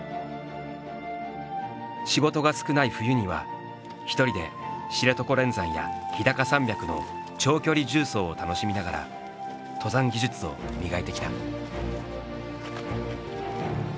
仕事が少ない冬には一人で知床連山や日高山脈の長距離縦走を楽しみながら登山技術を磨いてきた。